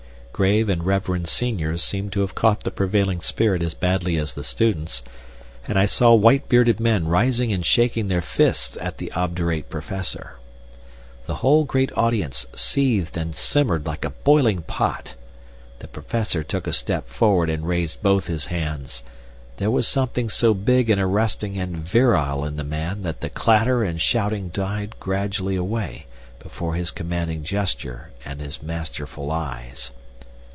Grave and reverend seniors seemed to have caught the prevailing spirit as badly as the students, and I saw white bearded men rising and shaking their fists at the obdurate Professor. The whole great audience seethed and simmered like a boiling pot. The Professor took a step forward and raised both his hands. There was something so big and arresting and virile in the man that the clatter and shouting died gradually away before his commanding gesture and his masterful eyes.